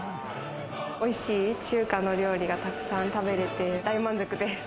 おいしい中華の料理が沢山食べれて大満足です。